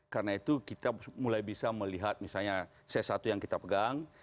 karena itu kita mulai bisa melihat misalnya c satu yang kita pegang